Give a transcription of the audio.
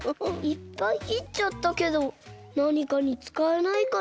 いっぱいきっちゃったけどなにかにつかえないかな？